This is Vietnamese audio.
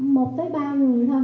một tới ba người